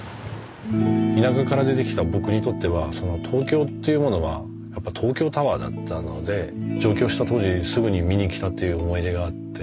田舎から出てきた僕にとっては東京っていうものはやっぱ東京タワーだったので上京した当時すぐに見に来たっていう思い出があって。